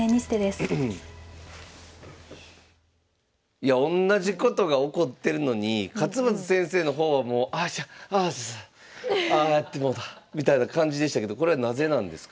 いやおんなじことが起こってるのに勝又先生の方はあちゃああやってもうたみたいな感じでしたけどこれなぜなんですか？